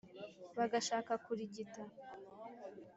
. Bagashaka kurigita,